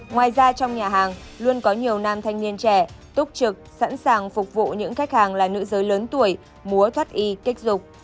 ngoài ra trong nhà hàng luôn có nhiều nam thanh niên trẻ túc trực sẵn sàng phục vụ những khách hàng là nữ giới lớn tuổi múa thoát y kích dục